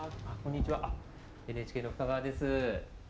ＮＨＫの深川です。